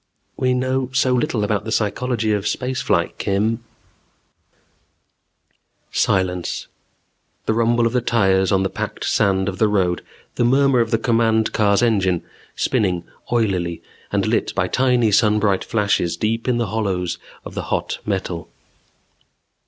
"We know so little about the psychology of space flight, Kim " Silence. The rumble of the tires on the packed sand of the road, the murmur of the command car's engine, spinning oilily, and lit by tiny sunbright flashes deep in the hollows of the hot metal.